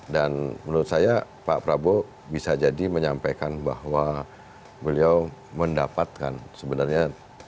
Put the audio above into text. dan menurut saya pak prabowo bisa jadi menyampaikan bahwa beliau mendapatkan sebenarnya